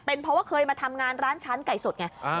เพราะว่าเคยมาทำงานร้านชั้นไก่สดไง